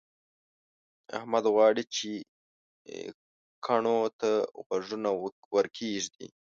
احمد غواړي چې کڼو ته غوږونه ورکېږدي.